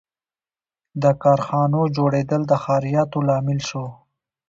• د کارخانو جوړېدل د ښاریاتو لامل شو.